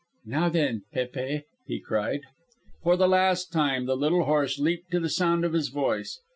"Now, then, Pépe," he cried. For the last time the little horse leaped to the sound of his voice.